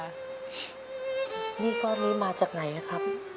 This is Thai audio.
หนี้ก้อนนี้มาจากไหนครับ